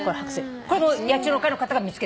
これも野鳥の会の方が見つけてくださって。